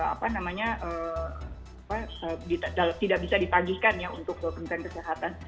apa namanya tidak bisa dipagikan ya untuk kepentingan kesehatan